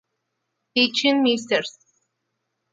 Teaching Mrs.